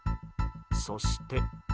そして。